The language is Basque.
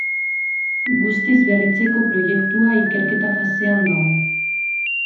Guztiz berritzeko proiektua ikerketa fasean dago.